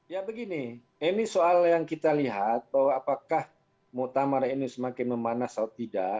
ya begini ini soal yang kita lihat bahwa apakah mutamar ini semakin memanas atau tidak